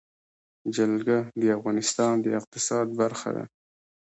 جلګه د افغانستان د اقتصاد برخه ده.